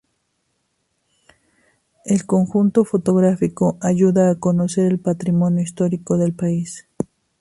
El conjunto fotográfico ayuda a conocer el patrimonio histórico del país.